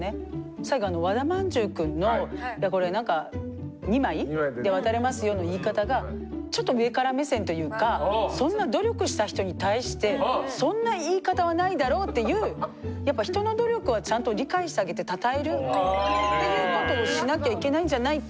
最後和田まんじゅうくんの「２枚で渡れますよ」の言い方がちょっと上から目線というかそんな努力した人に対してそんな言い方はないだろうっていうやっぱ人の努力はちゃんと理解してあげて称えるっていうことをしなきゃいけないんじゃないかっていうのも思いましたね。